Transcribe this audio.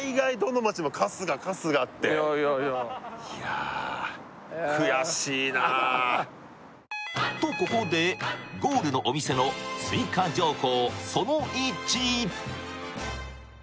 すごいなってとここでゴールのお店の追加情報